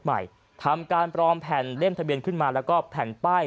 ใหม่ทำการปลอมแผ่นเล่มทะเบียนขึ้นมาแล้วก็แผ่นป้าย